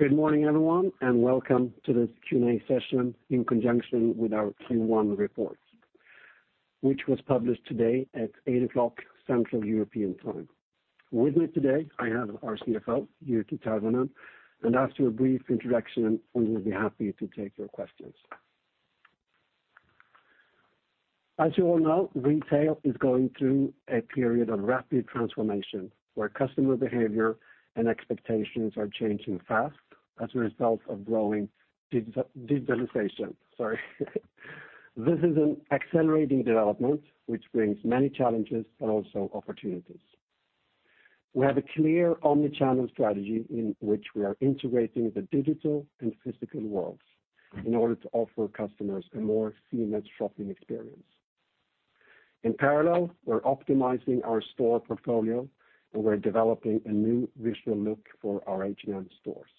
Good morning, everyone, welcome to this Q&A session in conjunction with our Q1 report, which was published today at 8 o'clock Central European Time. With me today, I have our CFO, Jyrki Tervonen, after a brief introduction, we will be happy to take your questions. As you all know, retail is going through a period of rapid transformation, where customer behavior and expectations are changing fast as a result of growing digitalization. Sorry. This is an accelerating development, which brings many challenges and also opportunities. We have a clear omni-channel strategy in which we are integrating the digital and physical worlds in order to offer customers a more seamless shopping experience. In parallel, we're optimizing our store portfolio, we're developing a new visual look for our H&M stores.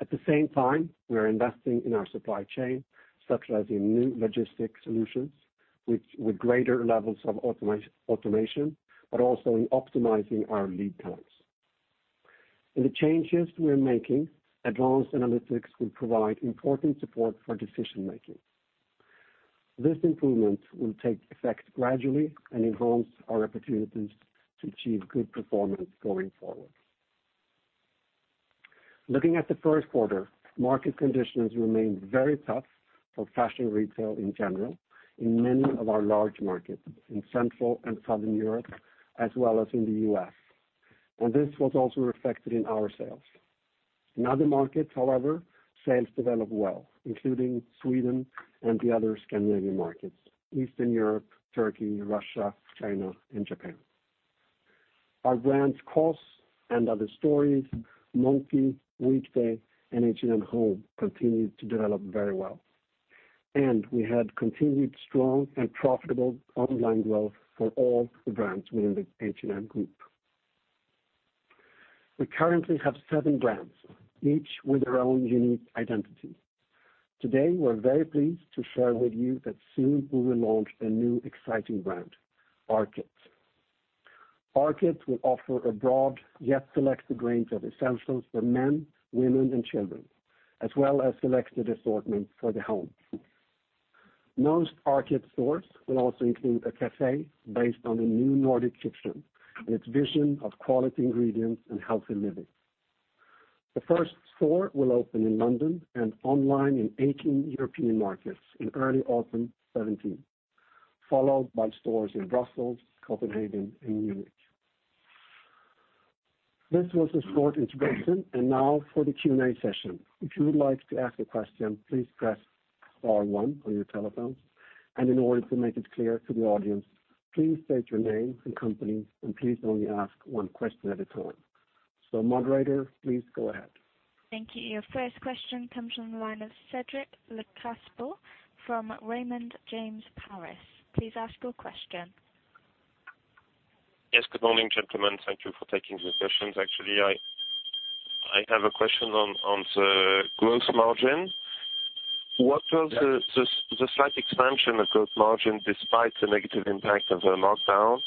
At the same time, we're investing in our supply chain, such as in new logistics solutions with greater levels of automation, also in optimizing our lead times. In the changes we're making, advanced analytics will provide important support for decision-making. This improvement will take effect gradually, enhance our opportunities to achieve good performance going forward. Looking at the first quarter, market conditions remained very tough for fashion retail in general in many of our large markets, in Central and Southern Europe, as well as in the U.S., this was also reflected in our sales. In other markets, however, sales developed well, including Sweden and the other Scandinavian markets, Eastern Europe, Turkey, Russia, China, and Japan. Our brands COS and & Other Stories, Monki, Weekday, and H&M Home continued to develop very well, we had continued strong and profitable online growth for all the brands within the H&M Group. We currently have seven brands, each with their own unique identity. Today, we're very pleased to share with you that soon we will launch a new exciting brand, ARKET. ARKET will offer a broad yet selected range of essentials for men, women, and children, as well as selected assortment for the home. Most ARKET stores will also include a café based on the New Nordic Cuisine and its vision of quality ingredients and healthy living. The first store will open in London, online in 18 European markets in early autumn 2017, followed by stores in Brussels, Copenhagen, and Munich. This was a short introduction, now for the Q&A session. If you would like to ask a question, please press star one on your telephone, in order to make it clear to the audience, please state your name and company, please only ask one question at a time. Moderator, please go ahead. Thank you. Your first question comes from the line of Cédric Lecasble from Raymond James Paris. Please ask your question. Yes, good morning, gentlemen. Thank you for taking the questions. Actually, I have a question on the gross margin. What was the slight expansion of gross margin despite the negative impact of the markdown?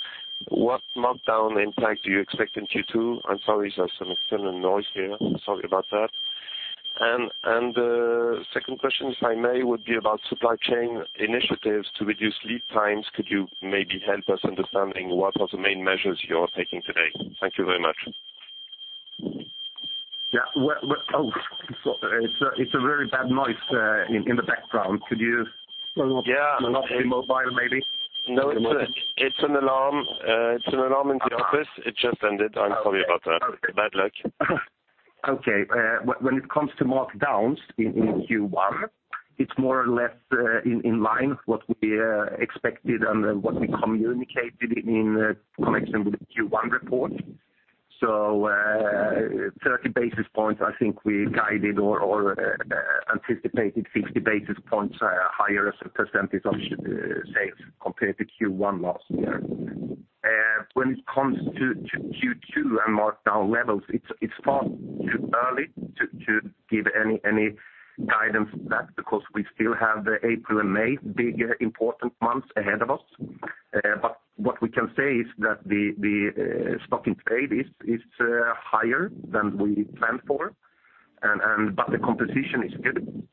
What markdown impact do you expect in Q2? I'm sorry, there's some external noise here. Sorry about that. The second question, if I may, would be about supply chain initiatives to reduce lead times. Could you maybe help us understanding what are the main measures you're taking today? Thank you very much. Yeah. Oh, it's a very bad noise, in the background. Could you go off mobile maybe? No, it's an alarm in the office. It just ended. I'm sorry about that. Bad luck. When it comes to markdowns in Q1, it's more or less in line with what we expected and what we communicated in connection with the Q1 report. 30 basis points, I think we guided or anticipated 50 basis points higher as a percentage of sales compared to Q1 last year. When it comes to Q2 and markdown levels, it's far too early to give any guidance for that because we still have the April and May bigger important months ahead of us. What we can say is that the stock-in-trade is higher than we planned for, but the composition is good.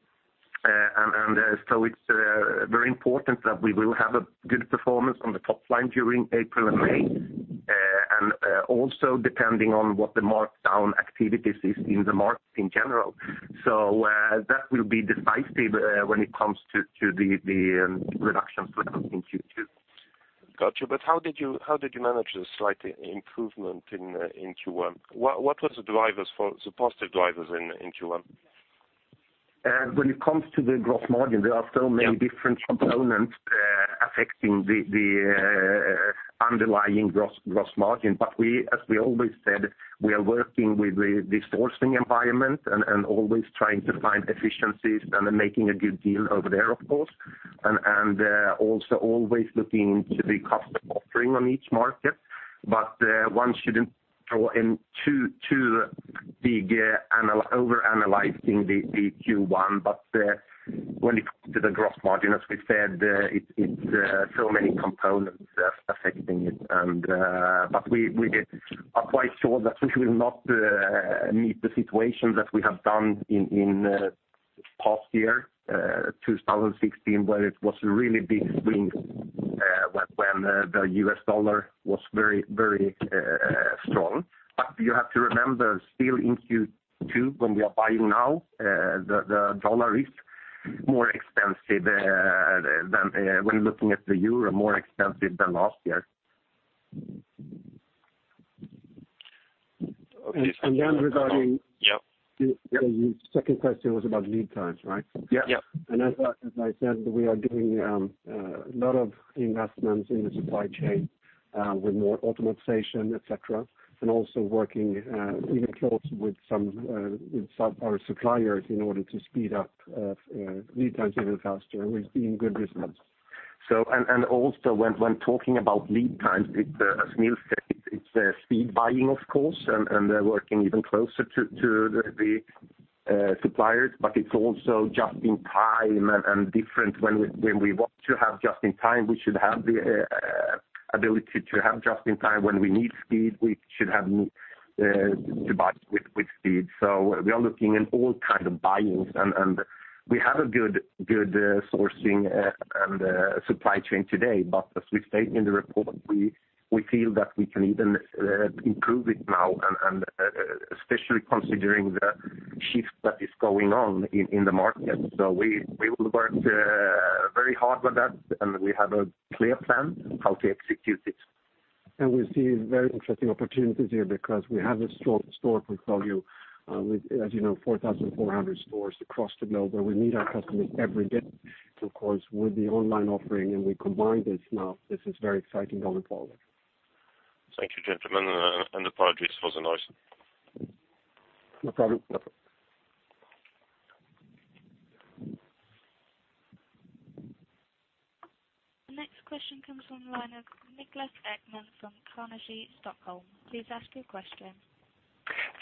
It's very important that we will have a good performance on the top line during April and May, and also depending on what the markdown activities is in the market in general. That will be decisive when it comes to the reduction plans in Q2. Got you. How did you manage the slight improvement in Q1? What was the positive drivers in Q1? When it comes to the gross margin, there are so many different components affecting the underlying gross margin. As we always said, we are working with the sourcing environment and always trying to find efficiencies and then making a good deal over there, of course, and also always looking into the customer offering on each market. One shouldn't go in too big overanalyzing the Q1, but when it comes to the gross margin, as we said, it's so many components affecting it. We are quite sure that we will not meet the situation that we have done in Past year, 2016, where it was a really big swing when the US dollar was very strong. You have to remember still in Q2 when we are buying now, the dollar is more expensive, when looking at the euro, more expensive than last year. Okay. regarding- Yep. The second question was about lead times, right? Yep. Yep. As I said, we are doing a lot of investments in the supply chain with more automatization, et cetera, and also working even close with some of our suppliers in order to speed up lead times even faster. We're seeing good results. Also when talking about lead times, as Nils said, it's speed buying, of course, and working even closer to the suppliers, it's also just in time and different when we want to have just in time, we should have the ability to have just in time. When we need speed, we should have the ability to buy with speed. We are looking in all kind of buy-ins, and we have a good sourcing and supply chain today. As we've stated in the report, we feel that we can even improve it now, and especially considering the shift that is going on in the market. We will work very hard with that, and we have a clear plan how to execute it. We see very interesting opportunities here because we have a storefront value with, as you know, 4,400 stores across the globe where we meet our customers every day. Of course, with the online offering, and we combine this now, this is very exciting going forward. Thank you, gentlemen, and apologies for the noise. No problem. No problem. The next question comes from the line of Niklas Ekman from Carnegie, Stockholm. Please ask your question.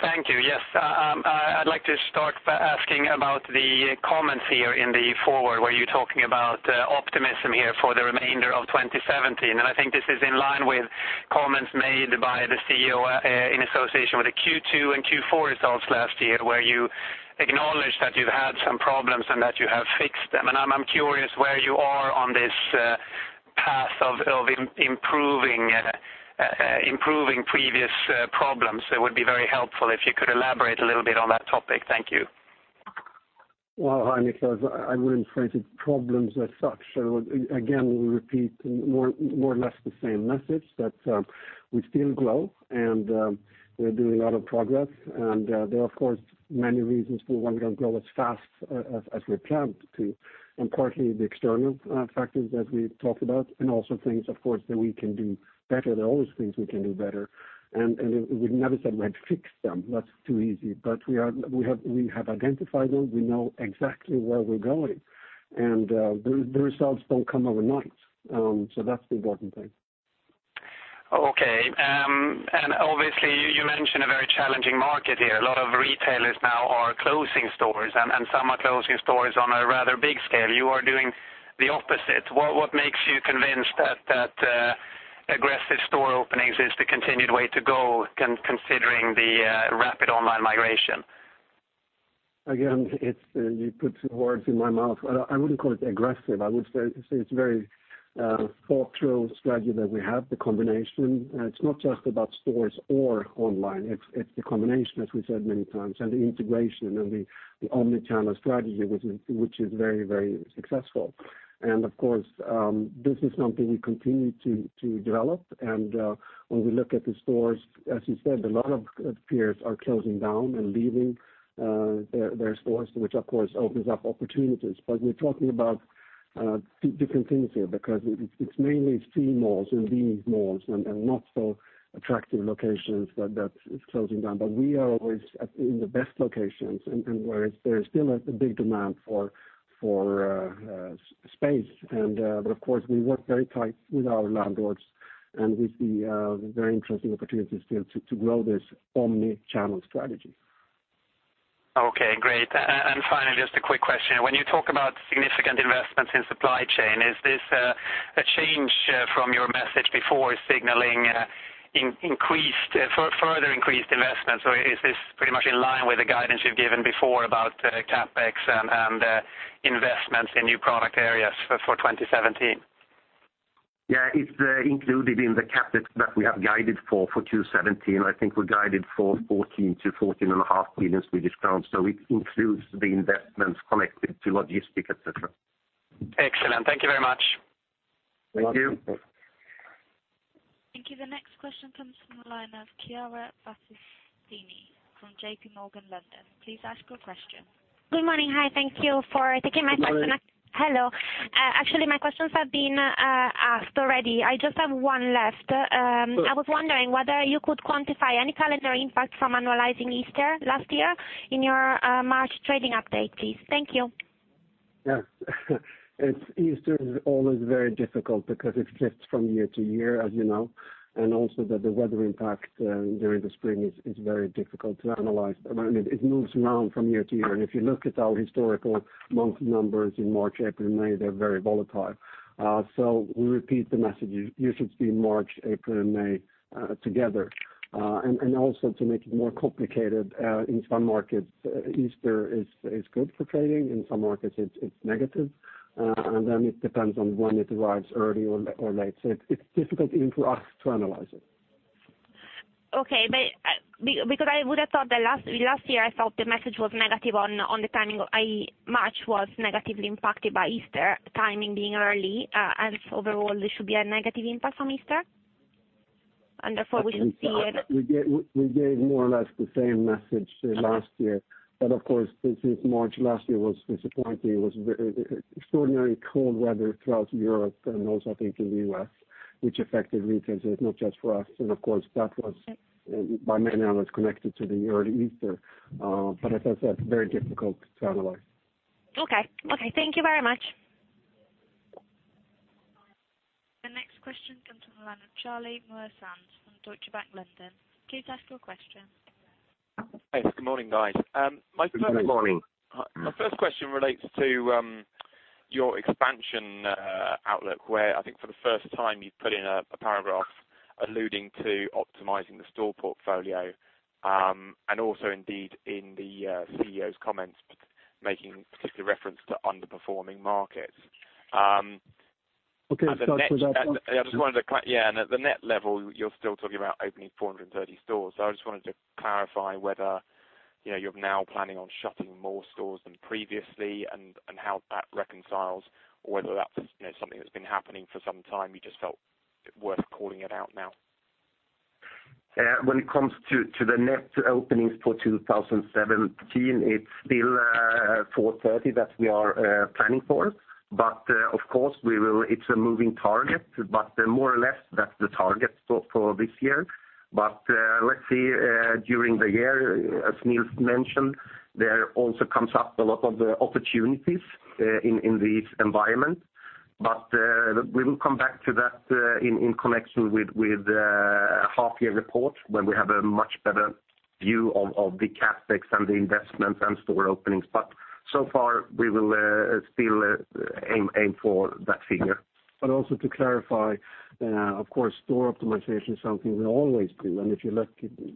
Thank you. Yes, I'd like to start by asking about the comments here in the forward, where you're talking about optimism here for the remainder of 2017. I think this is in line with comments made by the CEO in association with the Q2 and Q4 results last year, where you acknowledged that you've had some problems and that you have fixed them. I'm curious where you are on this path of improving previous problems. It would be very helpful if you could elaborate a little bit on that topic. Thank you. Well, hi, Niklas. I wouldn't phrase it problems as such. Again, we repeat more or less the same message, that we still grow, and we're doing a lot of progress. There are, of course, many reasons for why we don't grow as fast as we planned to, and partly the external factors that we talked about and also things, of course, that we can do better. There are always things we can do better. We never said we had fixed them. That's too easy. We have identified them. We know exactly where we're going, and the results don't come overnight. That's the important thing. Okay. Obviously, you mentioned a very challenging market here. A lot of retailers now are closing stores, and some are closing stores on a rather big scale. You are doing the opposite. What makes you convinced that aggressive store openings is the continued way to go considering the rapid online migration? Again, you put words in my mouth. I wouldn't call it aggressive. I would say it's very thought through strategy that we have, the combination. It's not just about stores or online. It's the combination, as we said many times, and the integration and the omni-channel strategy, which is very successful. Of course, this is something we continue to develop. When we look at the stores, as you said, a lot of peers are closing down and leaving their stores, which of course, opens up opportunities. We're talking about two different things here because it's mainly C malls and D malls and not so attractive locations that is closing down. We are always in the best locations and where there is still a big demand for space. Of course, we work very tight with our landlords, and we see very interesting opportunities there to grow this omni-channel strategy. Okay, great. Finally, just a quick question. When you talk about significant investments in supply chain, is this a change from your message before signaling further increased investment? Or is this pretty much in line with the guidance you've given before about CapEx and investments in new product areas for 2017? Yeah. It's included in the CapEx that we have guided for 2017. I think we guided for 14 billion-14.5 billion Swedish crowns. It includes the investments connected to logistic, et cetera. Excellent. Thank you very much. Thank you. Thank you. Thank you. The next question comes from the line of Chiara Battistini from J.P. Morgan, London. Please ask your question. Good morning. Hi, thank you for taking my question. Good morning. Hello. Actually, my questions have been asked already. I just have one left. Sure. I was wondering whether you could quantify any calendar impact from annualizing Easter last year in your March trading update, please. Thank you. Yes. Easter is always very difficult because it shifts from year to year, as you know, and also that the weather impact during the spring is very difficult to analyze. I mean, it moves around from year to year. If you look at our historical monthly numbers in March, April, and May, they're very volatile. We repeat the message: you should see March, April, and May together. Also to make it more complicated, in some markets, Easter is good for trading, in some markets, it's negative. It depends on when it arrives early or late. It's difficult even for us to analyze it. Okay. Last year I thought the message was negative on the timing, March was negatively impacted by Easter timing being early. Overall, there should be a negative impact on Easter. We gave more or less the same message last year. Okay. Of course, since March last year was disappointing, it was extraordinary cold weather throughout Europe and also, I think, in the U.S., which affected retailers, not just for us. Of course, that was by many hours connected to the early Easter. As I said, it's very difficult to analyze. Okay. Thank you very much. The next question comes from the line of Charlie Muir-Sands from Deutsche Bank, London. Please ask your question. Hey, good morning, guys. Good morning. My first question relates to your expansion outlook, where I think for the first time you put in a paragraph alluding to optimizing the store portfolio, and also indeed in the CEO’s comments, making particular reference to underperforming markets. Okay. Sorry, could I just- Yeah. At the net level, you're still talking about opening 430 stores. I just wanted to clarify whether you're now planning on shutting more stores than previously and how that reconciles, or whether that's something that's been happening for some time, you just felt it worth calling it out now. When it comes to the net openings for 2017, it's still 430 that we are planning for. Of course, it's a moving target, but more or less that's the target for this year. Let's see, during the year, as Nils mentioned, there also comes up a lot of opportunities in this environment. We will come back to that in connection with the half-year report when we have a much better view of the CapEx and the investments and store openings. So far, we will still aim for that figure. Also to clarify, of course, store optimization is something we always do. If you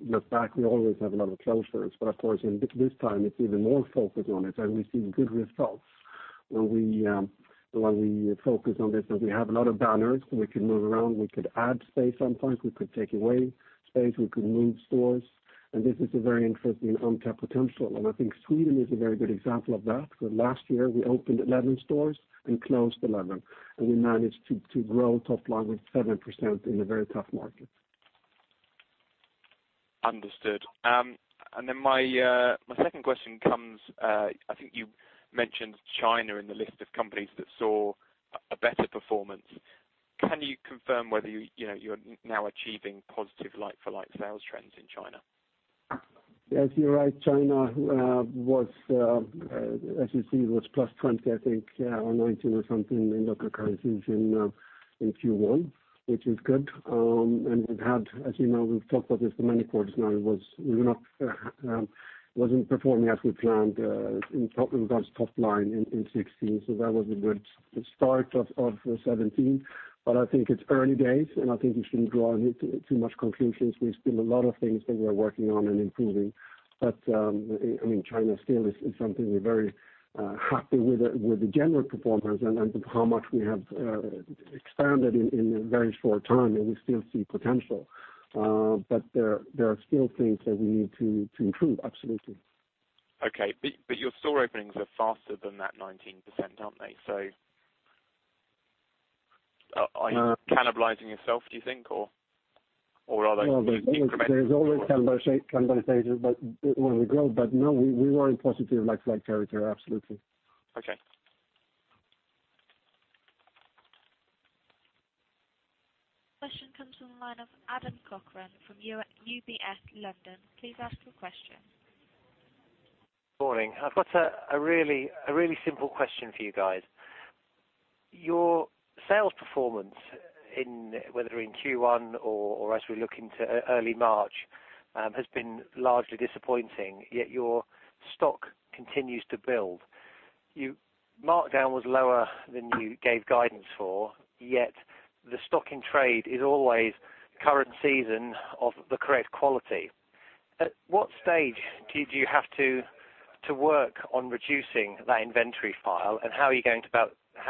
look back, we always have a lot of closures. Of course, this time it's even more focused on it, and we've seen good results. When we focus on this, and we have a lot of banners we can move around, we could add space sometimes, we could take away space, we could move stores. This is a very interesting untapped potential. I think Sweden is a very good example of that, where last year we opened 11 stores and closed 11, and we managed to grow top line with 7% in a very tough market. Understood. My second question comes, I think you mentioned China in the list of companies that saw a better performance. Can you confirm whether you're now achieving positive like-for-like sales trends in China? Yes, you're right. China, as you see, was +20, I think, or 19 or something in local currencies in Q1, which is good. As you know, we've talked about this for many quarters now, it wasn't performing as we planned in top line in 2016. That was a good start of 2017. I think it's early days, and I think we shouldn't draw too much conclusions. We still a lot of things that we are working on and improving. China still is something we're very happy with the general performance and how much we have expanded in a very short time, and we still see potential. There are still things that we need to improve, absolutely. Okay. Your store openings are faster than that 19%, aren't they? Are you cannibalizing yourself, do you think, or are they incremental? There's always cannibalization when we grow. No, we were in positive like-for-like territory, absolutely. Okay. Question comes from the line of Adam Cochrane from UBS, London. Please ask your question. Morning. I've got a really simple question for you guys. Your sales performance, whether in Q1 or as we look into early March, has been largely disappointing, yet your stock continues to build. Your markdown was lower than you gave guidance for, yet the stock-in-trade is always current season of the correct quality. At what stage do you have to work on reducing that inventory file, and how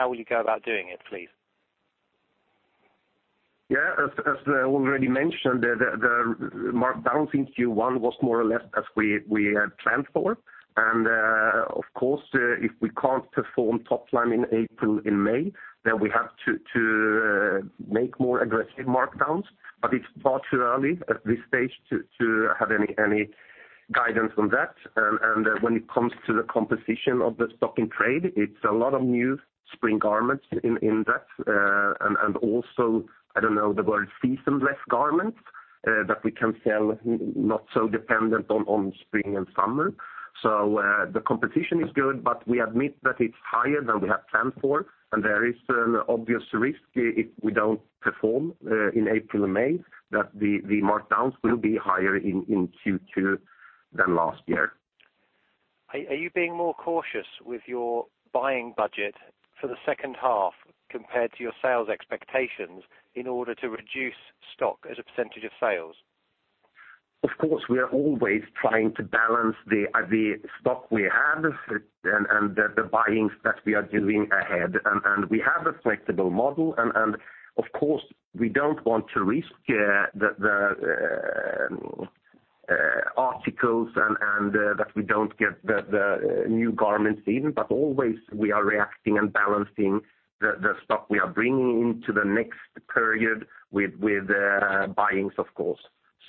will you go about doing it, please? Yeah. As already mentioned, the markdown in Q1 was more or less as we had planned for. Of course, if we can't perform top line in April and May, we have to make more aggressive markdowns. It's far too early at this stage to have any guidance on that. When it comes to the composition of the stock-in-trade, it's a lot of new spring garments in that. Also, I don't know the word, season-less garments that we can sell not so dependent on spring and summer. The composition is good, but we admit that it's higher than we had planned for. There is an obvious risk if we don't perform in April and May, that the markdowns will be higher in Q2 than last year. Are you being more cautious with your buying budget for the second half compared to your sales expectations in order to reduce stock as a percentage of sales? Of course, we are always trying to balance the stock we have and the buyings that we are doing ahead. We have a flexible model, of course, we don't want to risk the articles and that we don't get the new garments in, always we are reacting and balancing the stock we are bringing into the next period with buyings, of course.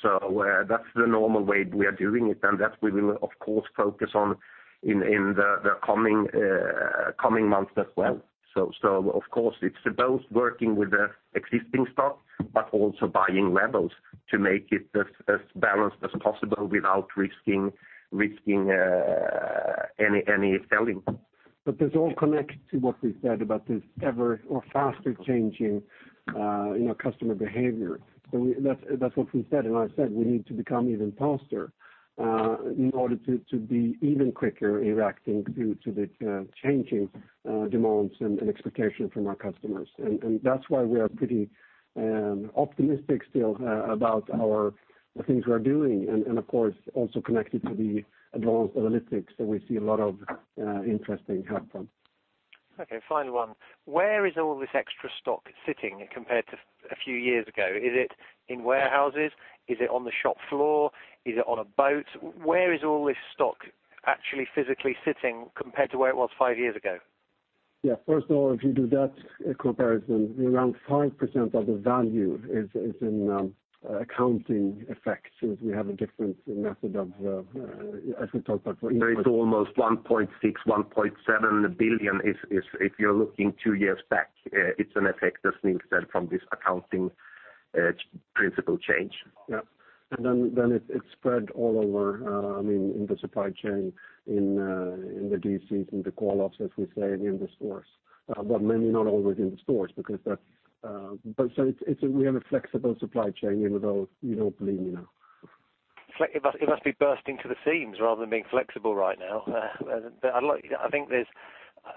That's the normal way we are doing it, that we will, of course, focus on in the coming months as well. Of course, it's both working with the existing stock, but also buying levels to make it as balanced as possible without risking any selling. This all connects to what we said about this ever or faster changing customer behavior. That's what we said, I said we need to become even faster in order to be even quicker in reacting to the changing demands and expectation from our customers. That's why we are pretty optimistic still about the things we are doing. Of course, also connected to the advanced analytics that we see a lot of interesting happen. Okay, final one. Where is all this extra stock sitting compared to a few years ago? Is it in warehouses? Is it on the shop floor? Is it on a boat? Where is all this stock actually physically sitting compared to where it was five years ago? Yeah. First of all, if you do that comparison, around 5% of the value is in accounting effect, since we have a different method of, as we talked about for input- It's almost 1.6 billion, 1.7 billion. If you're looking two years back, it's an effect, as Nils said, from this accounting principle change. Yeah. It spread all over in the supply chain, in the DCs, in the call-offs, as we say, and in the stores. Maybe not always in the stores. We have a flexible supply chain, even though you don't believe me now. It must be bursting to the seams rather than being flexible right now. I think there's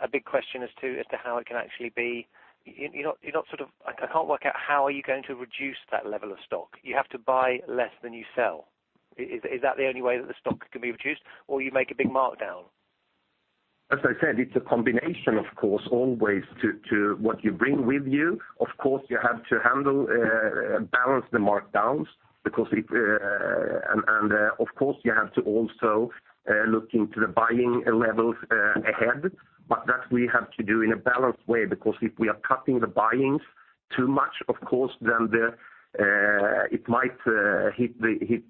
a big question as to how it can actually be. I can't work out how are you going to reduce that level of stock? You have to buy less than you sell. Is that the only way that the stock can be reduced, or you make a big markdown? As I said, it's a combination, of course, always to what you bring with you. Of course, you have to handle, balance the markdowns. Of course, you have to also look into the buying levels ahead. That we have to do in a balanced way, because if we are cutting the buyings too much, of course, then it might hit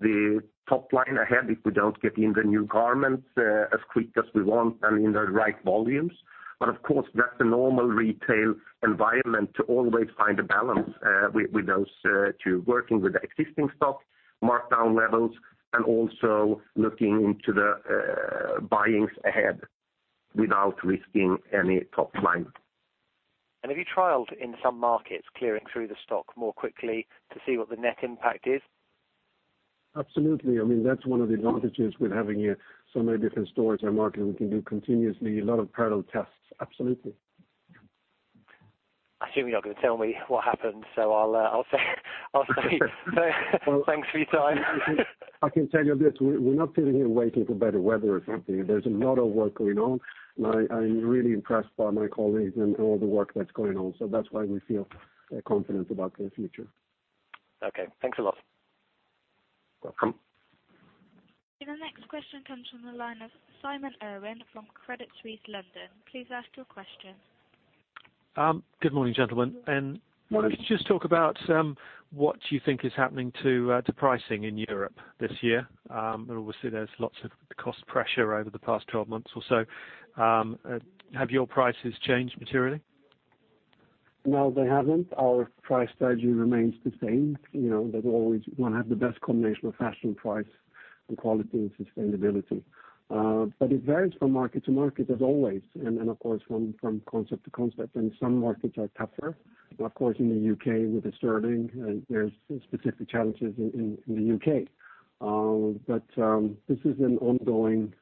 the top line ahead if we don't get in the new garments as quick as we want and in the right volumes. Of course, that's a normal retail environment to always find a balance with those two, working with the existing stock, markdown levels, and also looking into the buyings ahead without risking any top line. Have you trialed in some markets clearing through the stock more quickly to see what the net impact is? Absolutely. That's one of the advantages with having so many different stores and markets, we can do continuously a lot of parallel tests. Absolutely. I assume you're not going to tell me what happened. I'll say thanks for your time. I can tell you this, we're not sitting here waiting for better weather or something. There's a lot of work going on, and I'm really impressed by my colleagues and all the work that's going on. That's why we feel confident about the future. Okay. Thanks a lot. Welcome. The next question comes from the line of Simon Irwin from Credit Suisse, London. Please ask your question. Good morning, gentlemen. Can you just talk about what you think is happening to pricing in Europe this year? Obviously, there's lots of cost pressure over the past 12 months or so. Have your prices changed materially? No, they haven't. Our price strategy remains the same. That we always want to have the best combination of fashion, price, and quality, and sustainability. It varies from market to market as always, and of course, from concept to concept. Some markets are tougher. Of course, in the U.K. with the sterling, there's specific challenges in the U.K. This is an ongoing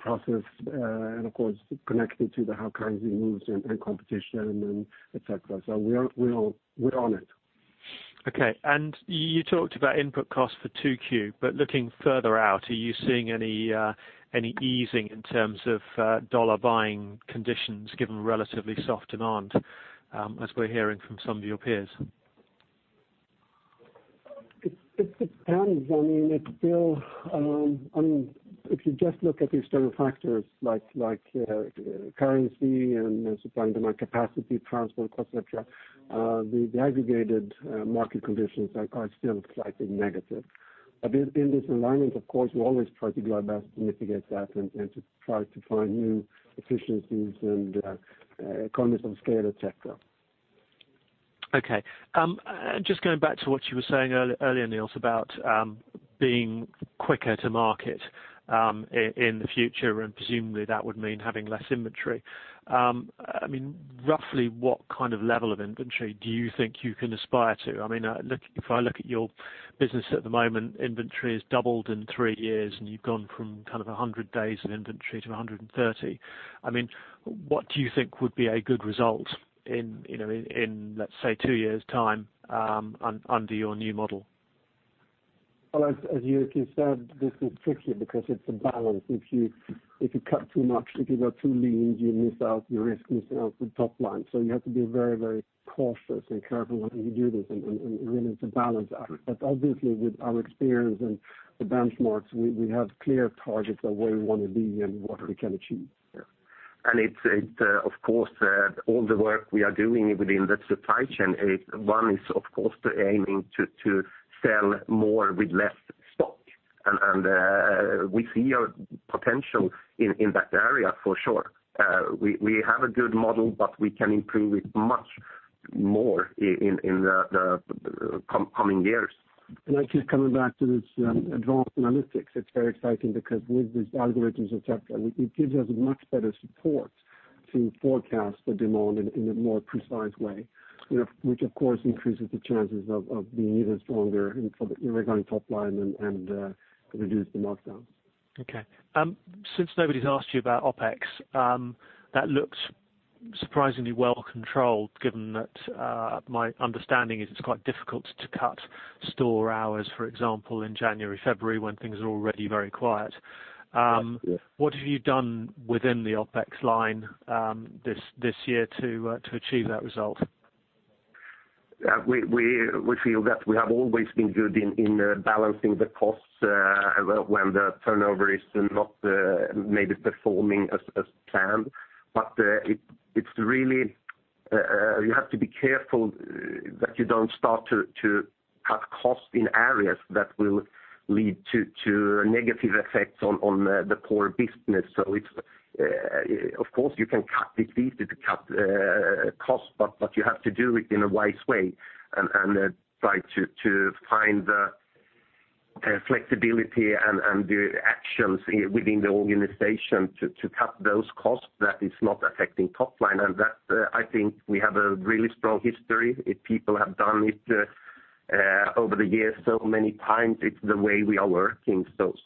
process, and of course, connected to how currency moves and competition, and et cetera. We're on it. Okay. You talked about input costs for 2Q, looking further out, are you seeing any easing in terms of USD buying conditions given relatively soft demand, as we're hearing from some of your peers? It depends. If you just look at the external factors like currency and supply and demand capacity, transport, et cetera, the aggregated market conditions are still slightly negative. In this alignment, of course, we always try to do our best to mitigate that and to try to find new efficiencies and economies of scale, et cetera. Okay. Just going back to what you were saying earlier, Nils, about being quicker to market in the future. Presumably that would mean having less inventory. Roughly what kind of level of inventory do you think you can aspire to? If I look at your business at the moment, inventory has doubled in three years. You've gone from kind of 100 days of inventory to 130. What do you think would be a good result in, let's say, two years' time under your new model? Well, as you said, this is tricky because it's a balance. If you cut too much, if you are too lean, you risk missing out the top line. You have to be very cautious and careful when you do this. Really it's a balance act. Obviously with our experience and the benchmarks, we have clear targets of where we want to be and what we can achieve. Of course, all the work we are doing within the supply chain, one is, of course, aiming to sell more with less stock. We see a potential in that area for sure. We have a good model, we can improve it much more in the coming years. I keep coming back to this advanced analytics. It's very exciting because with these algorithms, et cetera, it gives us much better support to forecast the demand in a more precise way. Of course increases the chances of being even stronger regarding top line and reduce the markdowns. Okay. Since nobody's asked you about OpEx, that looks surprisingly well controlled, given that my understanding is it's quite difficult to cut store hours, for example, in January, February, when things are already very quiet. Yes. What have you done within the OpEx line this year to achieve that result? We feel that we have always been good in balancing the costs when the turnover is not maybe performing as planned. You have to be careful that you don't start to cut costs in areas that will lead to negative effects on the core business. Of course you can cut. It's easy to cut cost, but you have to do it in a wise way and try to find the flexibility and the actions within the organization to cut those costs that is not affecting top line. That, I think, we have a really strong history. People have done it over the years so many times. It's the way we are working. That's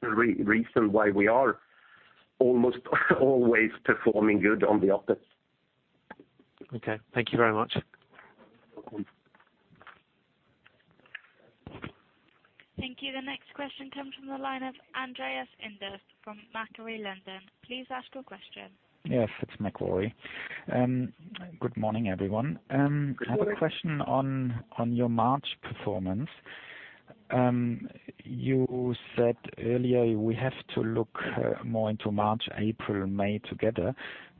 the reason why we are almost always performing good on the OpEx. Okay. Thank you very much. Welcome. Thank you. The next question comes from the line of Andreas Inderst from Macquarie London. Please ask your question. Yes, it's Macquarie. Good morning, everyone. Good morning. I have a question on your March performance. You said earlier we have to look more into March, April, and May together.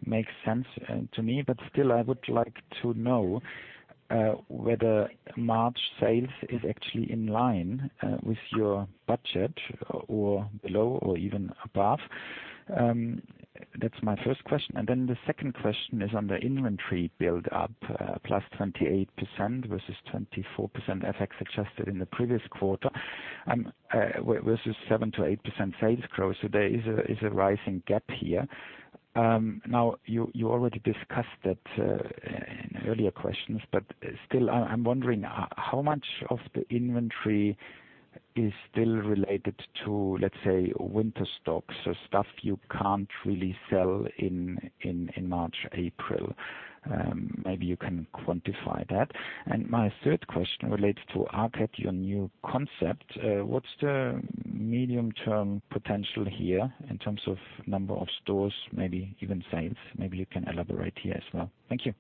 Makes sense to me, but still I would like to know whether March sales is actually in line with your budget, or below, or even above. That's my first question. The second question is on the inventory build up, +28% versus 24% FX adjusted in the previous quarter, versus 7%-8% sales growth. There is a rising gap here. You already discussed that in earlier questions, but still, I'm wondering how much of the inventory is still related to, let's say, winter stock, so stuff you can't really sell in March, April. Maybe you can quantify that. My third question relates to ARKET, your new concept. What's the medium-term potential here in terms of number of stores, maybe even sales? Maybe you can elaborate here as well. Thank you.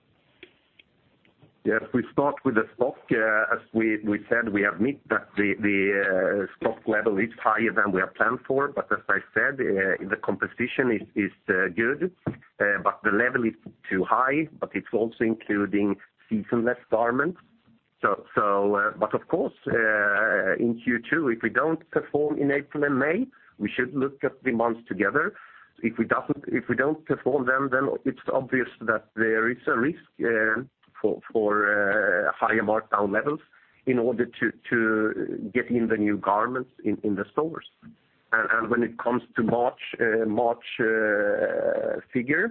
Yes. We start with the stock. As we said, we admit that the stock level is higher than we had planned for, as I said, the composition is good. The level is too high, but it's also including season-less garments. Of course, in Q2, if we don't perform in April and May, we should look at the months together. If we don't perform then it's obvious that there is a risk for higher markdown levels in order to get in the new garments in the stores. When it comes to March figure,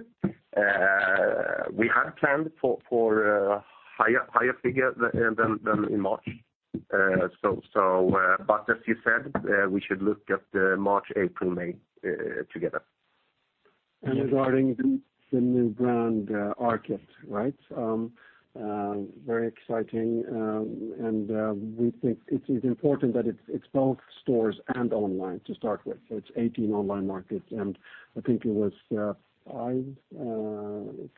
we had planned for a higher figure than in March. As you said, we should look at March, April, May together. Regarding the new brand, Arket, right? Very exciting. We think it is important that it's both stores and online to start with. It's 18 online markets, I think it was five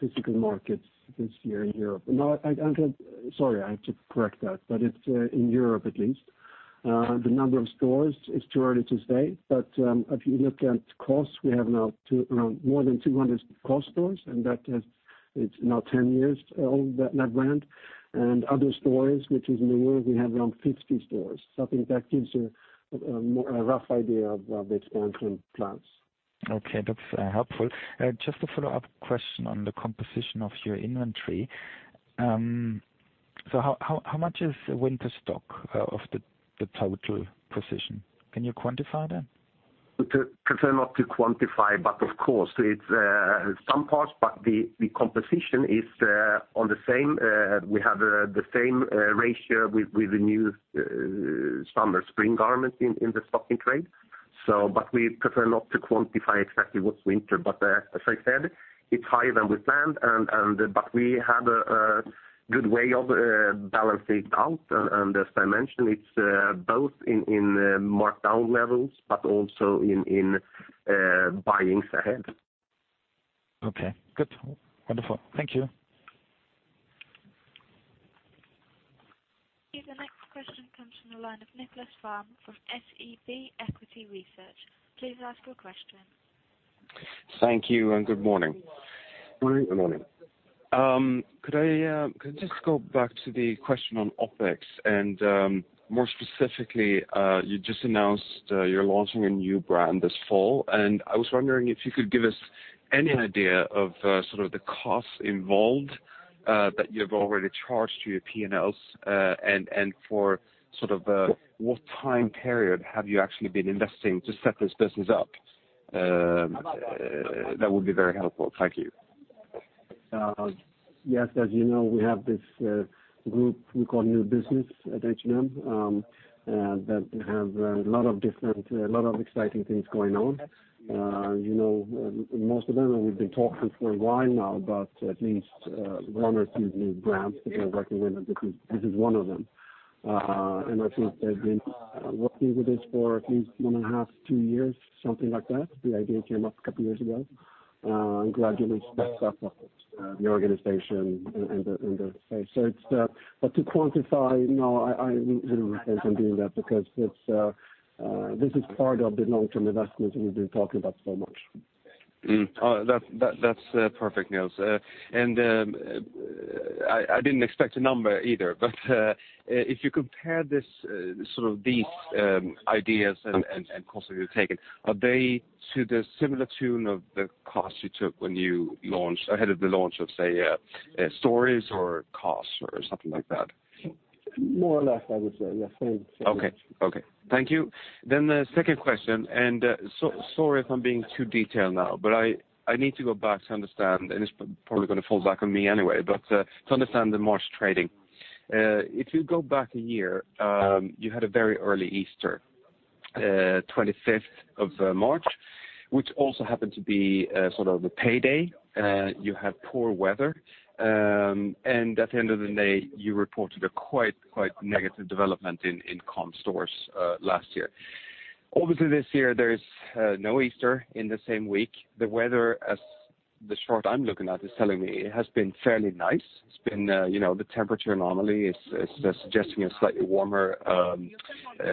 physical markets this year in Europe. No, sorry, I have to correct that, it's in Europe at least. The number of stores is too early to say. If you look at COS, we have now more than 200 COS stores, and that brand is now 10 years old. & Other Stories, which is new, we have around 50 stores. I think that gives you a rough idea of the expansion plans. Okay. That's helpful. Just a follow-up question on the composition of your inventory. How much is winter stock of the total position? Can you quantify that? I prefer not to quantify, of course it's some parts, the composition is on the same. We have the same ratio with the new summer spring garments in the stock-in-trade. We prefer not to quantify exactly what's winter. As I said, it's higher than we planned, we have a good way of balancing it out. As I mentioned, it's both in markdown levels but also in buyings ahead. Okay, good. Wonderful. Thank you. The next question comes from the line of Nicklas Fhärm from SEB Equity Research. Please ask your question. Thank you, good morning. Morning. Morning. Could I just go back to the question on OpEx and, more specifically, you just announced you're launching a new brand this fall, and I was wondering if you could give us any idea of the costs involved that you've already charged to your P&Ls, and for what time period have you actually been investing to set this business up? That would be very helpful. Thank you. Yes. As you know, we have this group we call New Business at H&M that have a lot of exciting things going on. Most of them we've been talking for a while now, but at least one or two new brands that we are working with, and this is one of them. I think they've been working with this for at least one and a half, two years, something like that. The idea came up a couple of years ago. Gradually it's backed up the organization and the space. To quantify, no, I really can't do that because this is part of the long-term investments we've been talking about so much. That's perfect, Nils. I didn't expect a number either, if you compare these ideas and costs that you're taking, are they to the similar tune of the costs you took ahead of the launch of, say, Stories or COS or something like that? More or less, I would say, yes. Okay. Thank you. The second question, sorry if I'm being too detailed now, but I need to go back to understand, it's probably going to fall back on me anyway, but to understand the March trading. If you go back a year, you had a very early Easter, 25th of March, which also happened to be the payday. You had poor weather, and at the end of the day, you reported a quite negative development in comp stores last year. Obviously, this year, there is no Easter in the same week. The weather, as the chart I'm looking at is telling me, it has been fairly nice. The temperature anomaly is suggesting a slightly warmer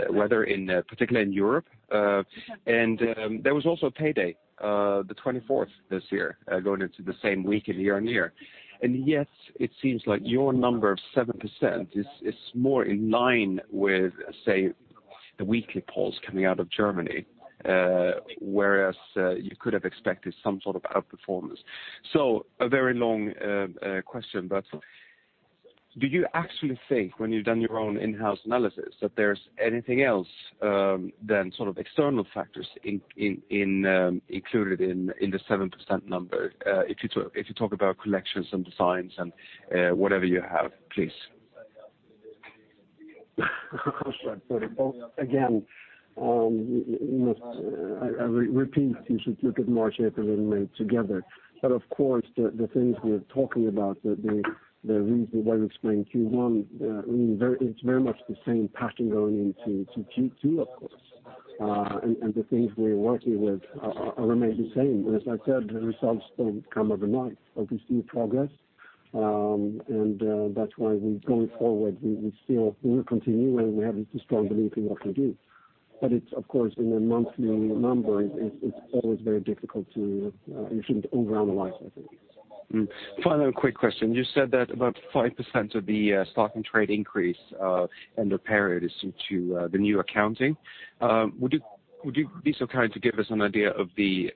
weather, particularly in Europe. There was also a payday, the 24th this year, going into the same week in year-over-year. Yet it seems like your number of 7% is more in line with, say, the weekly polls coming out of Germany, whereas you could have expected some sort of outperformance. A very long question, do you actually think when you've done your own in-house analysis that there's anything else than external factors included in the 7% number, if you talk about collections and designs and whatever you have, please? Again, I repeat, you should look at March, April and May together. Of course, the things we are talking about, the reason why we explained Q1, it's very much the same pattern going into Q2, of course. The things we are working with remain the same. As I said, the results don't come overnight. It's, of course, in the monthly numbers, it's always very difficult to, you shouldn't overanalyze, I think. Final quick question. You said that about 5% of the stock-in-trade increase in the period is due to the new accounting. Would you be so kind to give us an idea of the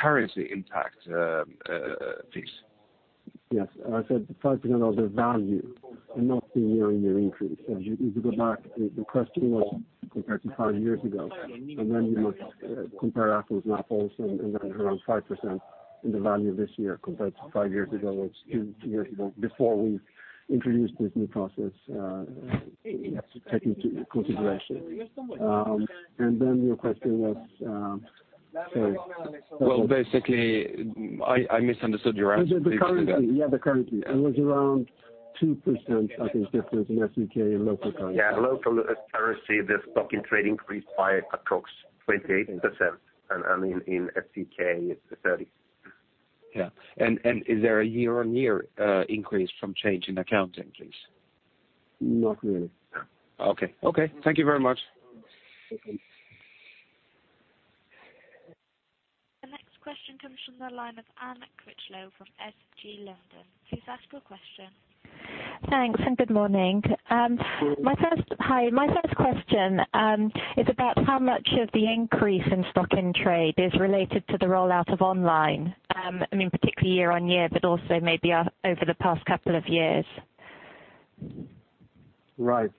currency impact, please? Yes. I said 5% of the value and not the year-on-year increase. If you go back, the question was compared to five years ago. You must compare apples with apples, and then around 5% in the value this year compared to five years ago, or two years ago, before we introduced this new process, take into consideration. Your question was? Sorry. Well, basically, I misunderstood your answer. The currency. Yeah, the currency. It was around 2%, I think, difference in SEK and local currency. Yeah, local currency, the stock-in-trade increased by approx. 28%, and in SEK it's 30%. Is there a year-on-year increase from change in accounting, please? Not really. Okay. Thank you very much. Okay. The next question comes from the line of Anne Critchlow from SG London. Please ask your question. Thanks. Good morning. Hi. My first question is about how much of the increase in stock-in-trade is related to the rollout of online. I mean, particularly year-over-year, but also maybe over the past couple of years. Right.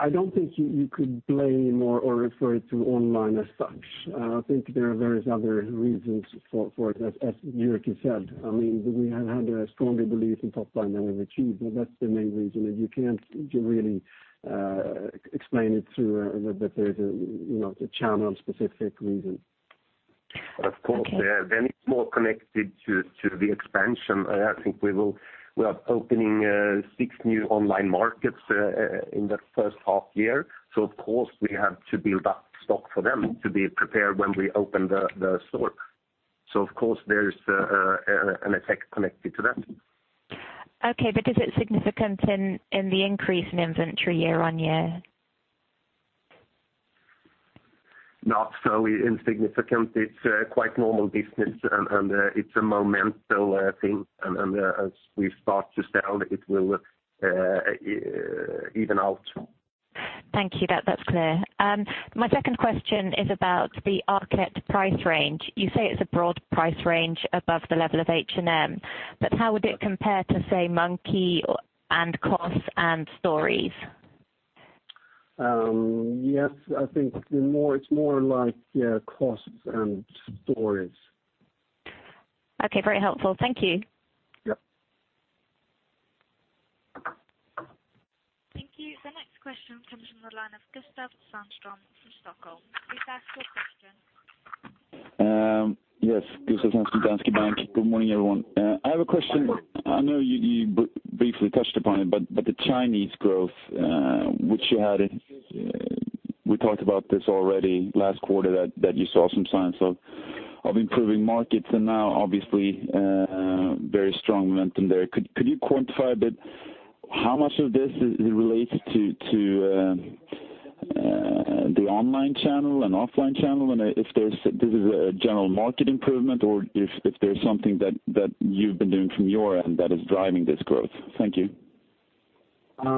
I don't think you could blame or refer to online as such. I think there are various other reasons for it, as Jyrki said. We have had a strong belief in top line that we've achieved. That's the main reason. You can't really explain it through that there's a channel-specific reason. Of course, it's more connected to the expansion. I think we are opening six new online markets in the first half year. Of course, we have to build up stock for them to be prepared when we open the store. Of course, there's an effect connected to that. Okay. Is it significant in the increase in inventory year-over-year? Not so insignificant. It's quite normal business. It's a momentum thing. As we start to sell, it will even out. Thank you. That's clear. My second question is about the Arket price range. You say it's a broad price range above the level of H&M, but how would it compare to, say, Monki and COS and Stories? Yes, I think it's more like COS and Stories. Okay, very helpful. Thank you. Yep. Thank you. The next question comes from the line of Gustav Sandstrom from Stockholm. Please ask your question. Yes, Gustav Sandstrom, Deutsche Bank. Good morning, everyone. I have a question. I know you briefly touched upon it, but the Chinese growth, which you had, we talked about this already last quarter, that you saw some signs of improving markets, and now obviously, very strong momentum there. Could you quantify a bit how much of this is related to the online channel and offline channel? If this is a general market improvement, or if there's something that you've been doing from your end that is driving this growth. Thank you. As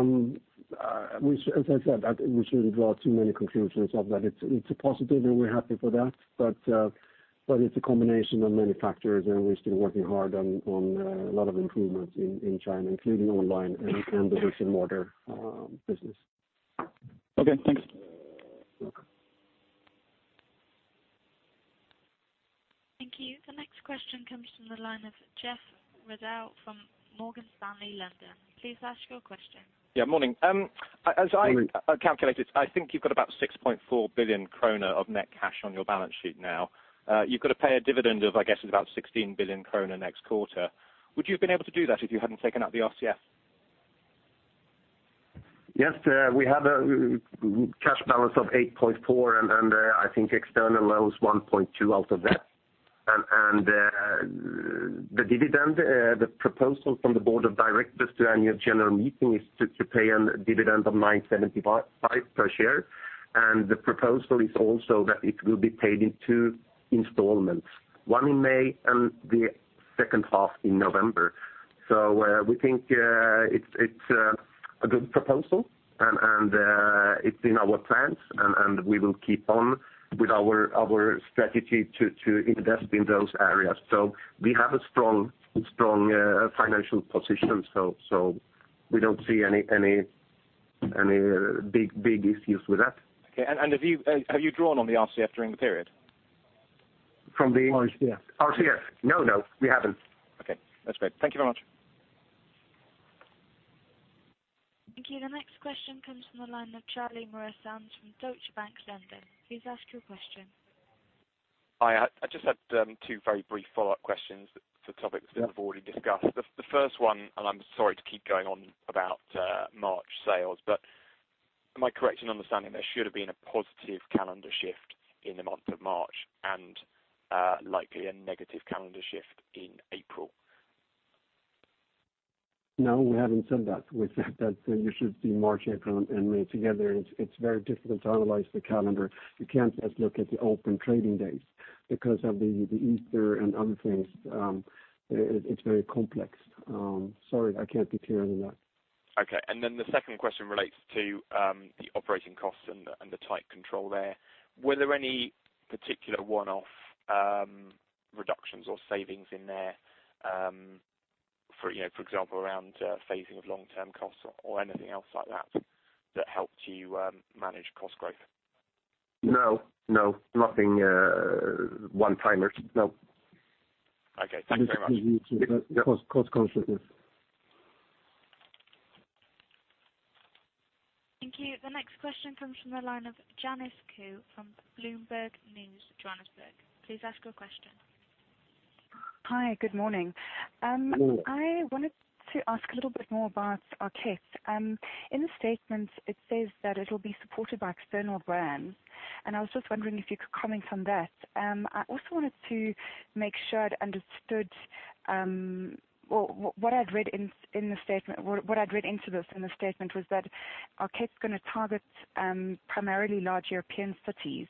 I said, we shouldn't draw too many conclusions of that. It's a positive, and we're happy for that. It's a combination of many factors, and we're still working hard on a lot of improvements in China, including online and the brick-and-mortar business. Okay, thanks. Welcome. Thank you. The next question comes from the line of Geoffrey Ruddell from Morgan Stanley, London. Please ask your question. Yeah, morning. Morning. As I calculated, I think you've got about 6.4 billion kronor of net cash on your balance sheet now. You've got to pay a dividend of, I guess, it's about 16 billion kronor next quarter. Would you have been able to do that if you hadn't taken out the RCF? Yes. We have a cash balance of 8.4. I think external loan's 1.2 out of that. The dividend, the proposal from the board of directors to annual general meeting is to pay a dividend of 9.75 per share. The proposal is also that it will be paid in two installments, one in May and the second half in November. We think it's a good proposal, it's in our plans, and we will keep on with our strategy to invest in those areas. We have a strong financial position, we don't see any big issues with that. Okay. Have you drawn on the RCF during the period? From the- RCF. RCF? No. We haven't. Okay. That's great. Thank you very much. Thank you. The next question comes from the line of Charlie Muir-Sands from Deutsche Bank, London. Please ask your question. Hi. I just had two very brief follow-up questions to topics. Yeah already discussed. The first one, and I'm sorry to keep going on about March sales, but am I correct in understanding there should have been a positive calendar shift in the month of March, and likely a negative calendar shift in April? No, we haven't said that. You should see March, April, and May together. It's very difficult to analyze the calendar. You can't just look at the open trading days because of the Easter and other things. It's very complex. Sorry, I can't be clear on that. Okay. The second question relates to the operating costs and the tight control there. Were there any particular one-off reductions or savings in there, for example, around phasing of long-term costs or anything else like that helped you manage cost growth? No. Nothing one-timers. No. Okay. Thank you very much. Just cost consciousness. Thank you. The next question comes from the line of Janice Kew from Bloomberg News, Johannesburg. Please ask your question. Hi. Good morning. Good morning. I wanted to ask a little bit more about ARKET. In the statement, it says that it'll be supported by external brands, and I was just wondering if you could comment on that. I also wanted to make sure I'd understood, what I'd read into this in the statement was that ARKET's going to target primarily large European cities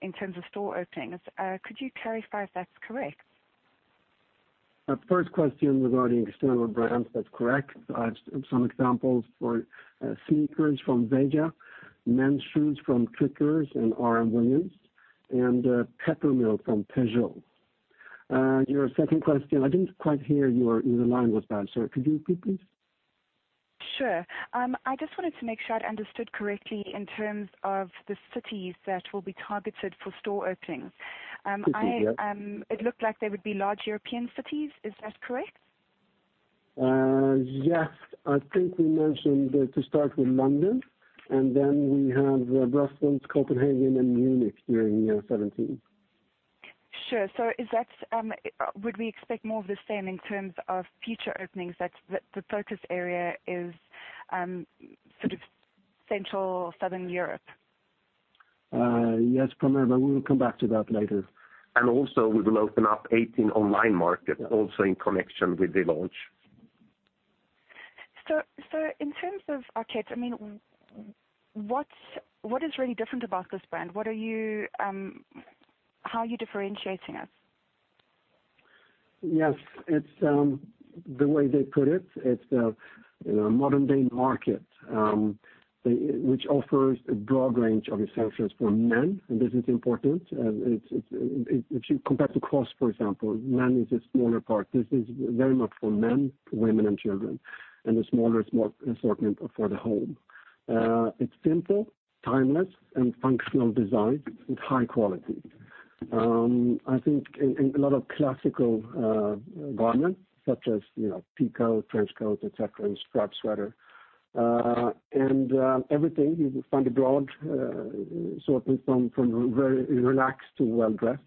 in terms of store openings. Could you clarify if that's correct? First question regarding external brands, that's correct. I have some examples for sneakers from Veja, men's shoes from Kickers and R.M. Williams, and peppermill from Peugeot. Your second question, I didn't quite hear you. Your line was bad, so could you repeat, please? Sure. I just wanted to make sure I'd understood correctly in terms of the cities that will be targeted for store openings. Cities, yeah. It looked like they would be large European cities. Is that correct? Yes. I think we mentioned to start with London, and then we have Brussels, Copenhagen, and Munich during 2017. Sure. Would we expect more of the same in terms of future openings, that the focus area is Central Southern Europe? Yes. Probably, but we will come back to that later. Also we will open up 18 online markets also in connection with the launch. In terms of ARKET, what is really different about this brand? How are you differentiating it? Yes, it's the way they put it. It's the modern-day market, which offers a broad range of essentials for men, and this is important. If you compare to COS, for example, men is a smaller part. This is very much for men, women, and children, and a smaller assortment for the home. It's simple, timeless, and functional design with high quality. I think a lot of classical garments such as peacoat, trench coat, et cetera, and striped sweater. Everything, you will find a broad sort from very relaxed to well-dressed.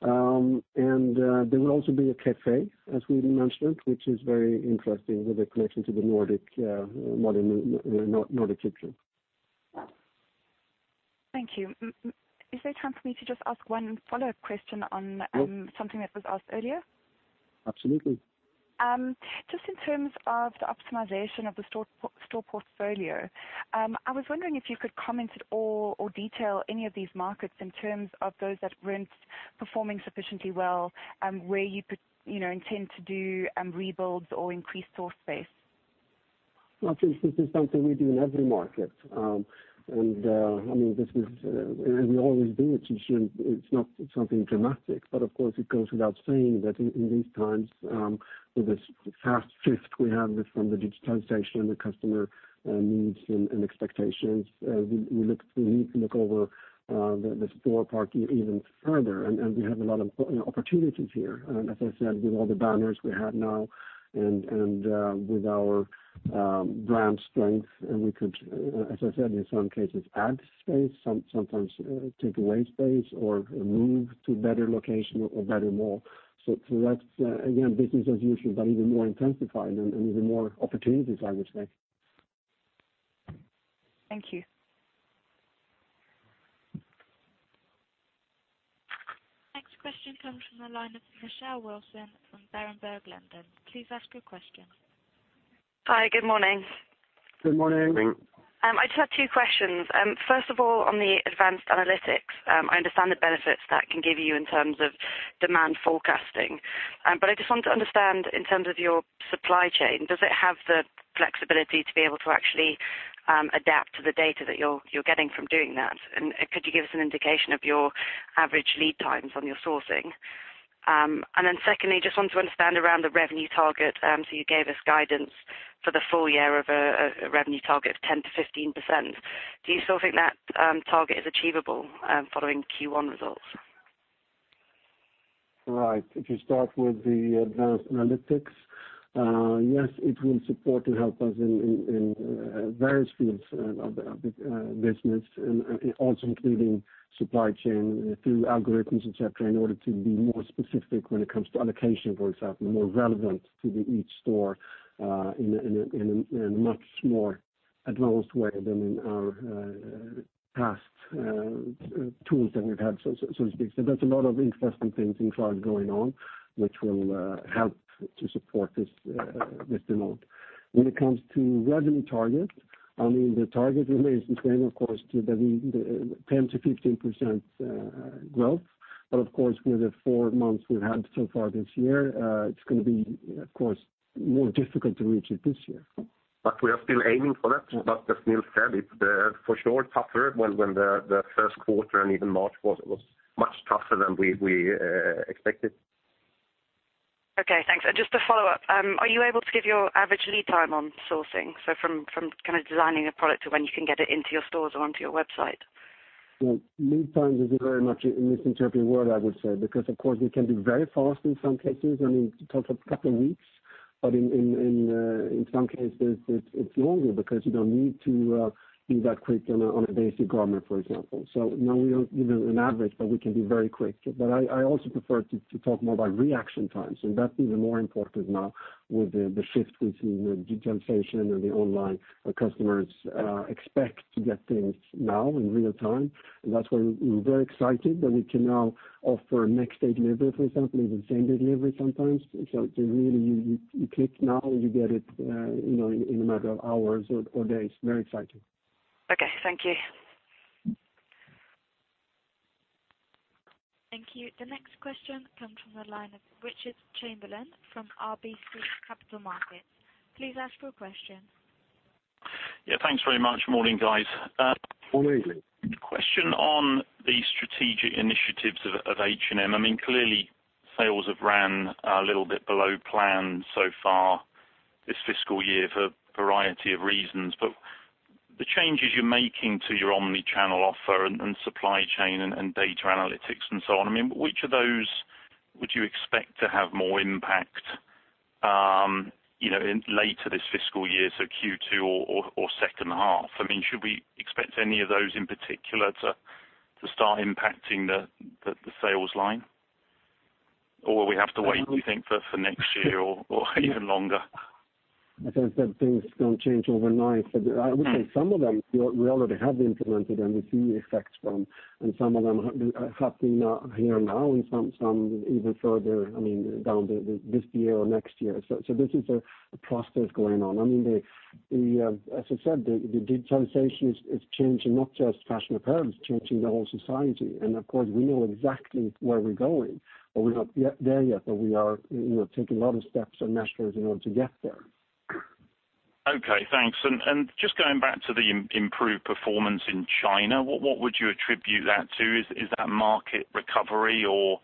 There will also be a cafe, as we mentioned, which is very interesting with a connection to the Nordic kitchen. Thank you. Is there time for me to just ask one follow-up question on- Yes something that was asked earlier? Absolutely. Just in terms of the optimization of the store portfolio, I was wondering if you could comment at all or detail any of these markets in terms of those that weren't performing sufficiently well, where you intend to do rebuilds or increase store space. I think this is something we do in every market. We always do it. It's not something dramatic. Of course, it goes without saying that in these times, with this fast shift we have from the digitalization, the customer needs and expectations, we need to look over the store part even further. We have a lot of opportunities here. As I said, with all the banners we have now and with our brand strength, we could, as I said, in some cases, add space, sometimes take away space, or move to a better location or better mall. That's, again, business as usual, but even more intensified and even more opportunities, I would say. Thank you. Next question comes from the line of Michelle Wilson from Berenberg London. Please ask your question. Hi. Good morning. Good morning. Good morning. I just had two questions. First of all, on the advanced analytics, I understand the benefits that can give you in terms of demand forecasting. I just want to understand in terms of your supply chain, does it have the flexibility to be able to actually adapt to the data that you're getting from doing that? Could you give us an indication of your average lead times on your sourcing? Secondly, just want to understand around the revenue target. You gave us guidance for the full year of a revenue target of 10%-15%. Do you still think that target is achievable following Q1 results? Right. If you start with the advanced analytics, yes, it will support and help us in various fields of the business, and also including supply chain through algorithms, et cetera, in order to be more specific when it comes to allocation, for example, more relevant to the each store in a much more advanced way than in our past tools that we've had, so to speak. There's a lot of interesting things inside going on, which will help to support this demand. When it comes to revenue target, the target remains the same, of course, the 10%-15% growth. Of course, with the four months we've had so far this year, it's going to be more difficult to reach it this year. We are still aiming for that. As Nils said, it's for sure tougher when the first quarter and even March was much tougher than we expected. Okay, thanks. Just to follow up, are you able to give your average lead time on sourcing? So from kind of designing a product to when you can get it into your stores or onto your website? Well, lead times is a very much a misinterpreted word, I would say, because of course we can be very fast in some cases, I mean, talk of a couple of weeks, but in some cases, it's longer because you don't need to be that quick on a basic garment, for example. No, we don't give an average, but we can be very quick. I also prefer to talk more about reaction times, and that's even more important now with the shift we see in the digitalization and the online. Our customers expect to get things now in real time. That's why we're very excited that we can now offer next-day delivery, for example, even same-day delivery sometimes. Really, you click now, you get it in a matter of hours or days. Very exciting. Okay. Thank you. Thank you. The next question comes from the line of Richard Chamberlain from RBC Capital Markets. Please ask your question. Yeah. Thanks very much. Morning, guys. Morning. Question on the strategic initiatives of H&M. Clearly, sales have ran a little bit below plan so far this fiscal year for a variety of reasons. The changes you're making to your omni-channel offer and supply chain and data analytics and so on, which of those would you expect to have more impact in later this fiscal year, so Q2 or second half? Should we expect any of those in particular to start impacting the sales line? Will we have to wait, do you think, for next year or even longer? As I said, things don't change overnight. I would say some of them, we already have implemented, and we see effects from, and some of them are happening here now, and some even further down this year or next year. This is a process going on. As I said, the digitization is changing not just fashion apparel, it's changing the whole society. Of course, we know exactly where we're going, but we're not yet there yet, but we are taking a lot of steps and measures in order to get there. Okay, thanks. Just going back to the improved performance in China, what would you attribute that to? Is that market recovery or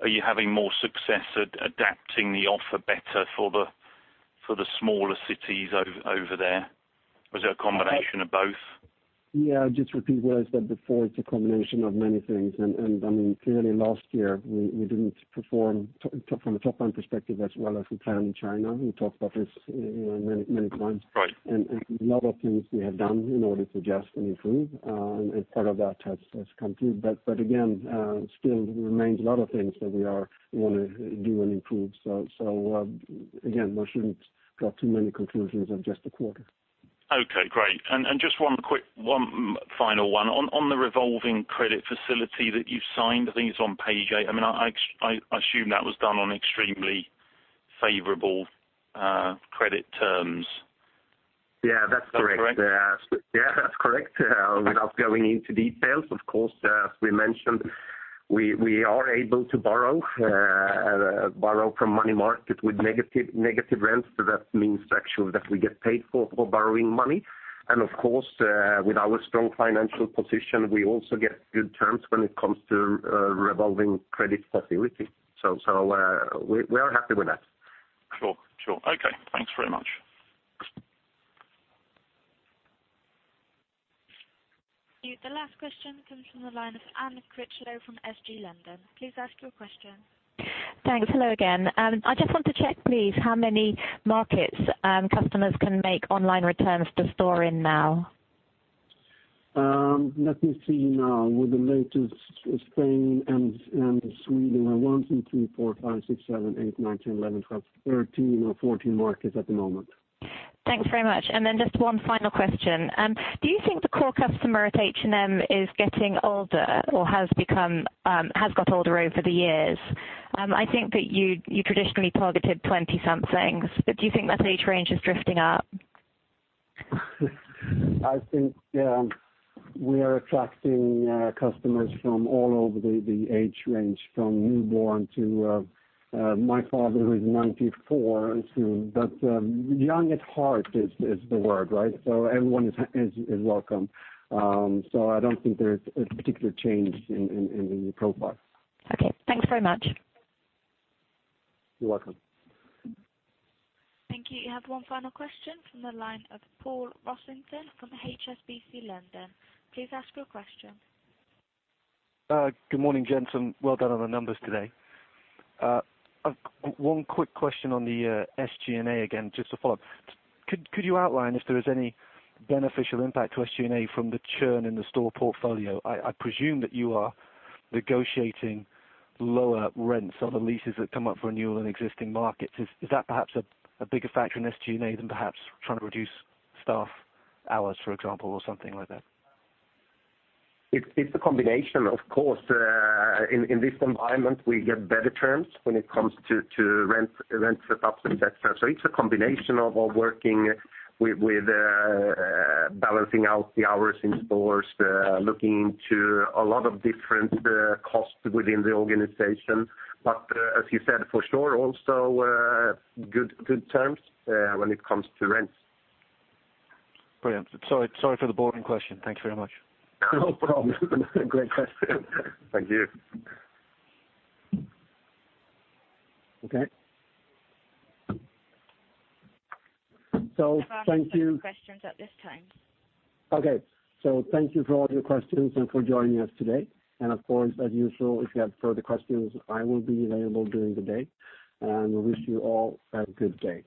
are you having more success at adapting the offer better for the smaller cities over there? Or is it a combination of both? Yeah, I'll just repeat what I said before, it's a combination of many things. Clearly last year, we didn't perform from a top-line perspective as well as we planned in China. We talked about this many times. Right. A lot of things we have done in order to adjust and improve, and part of that has come through. Again, still remains a lot of things that we want to do and improve. Again, we shouldn't draw too many conclusions in just a quarter. Okay, great. Just one final one. On the revolving credit facility that you've signed, I think it's on page eight. I assume that was done on extremely favorable credit terms. Yeah, that's correct. Is that correct? Yeah, that's correct. Without going into details, of course, as we mentioned, we are able to borrow from money market with negative rates. That means actually that we get paid for borrowing money. Of course, with our strong financial position, we also get good terms when it comes to revolving credit facility. We are happy with that. Sure. Okay. Thanks very much. The last question comes from the line of Anne Critchlow from SG London. Please ask your question. Thanks. Hello again. I just want to check please how many markets customers can make online returns to store in now? Let me see now. With the latest, Spain and Sweden. One, two, three, four, five, six, seven, eight, nine, 10, 11, 12, 13, 14 markets at the moment. Thanks very much. Just one final question. Do you think the core customer at H&M is getting older or has got older over the years? I think that you traditionally targeted 20-somethings, do you think that age range is drifting up? I think we are attracting customers from all over the age range, from newborn to my father, who is 94, too. Young at heart is the word, right? Everyone is welcome. I don't think there's a particular change in the profile. Okay. Thanks very much. You're welcome. Thank you. You have one final question from the line of Paul Rossington from HSBC London. Please ask your question. Good morning, gents, and well done on the numbers today. One quick question on the SG&A again, just to follow up. Could you outline if there was any beneficial impact to SG&A from the churn in the store portfolio? I presume that you are negotiating lower rents on the leases that come up for renewal in existing markets. Is that perhaps a bigger factor in SG&A than perhaps trying to reduce staff hours, for example, or something like that? It's a combination, of course. In this environment, we get better terms when it comes to rent setups and that stuff. It's a combination of working with balancing out the hours in stores, looking into a lot of different costs within the organization. As you said, for sure, also good terms when it comes to rents. Brilliant. Sorry for the boring question. Thank you very much. No problem. Great question. Thank you. Okay. Thank you. There are no further questions at this time. Okay. Thank you for all your questions and for joining us today. Of course, as usual, if you have further questions, I will be available during the day, and we wish you all a good day.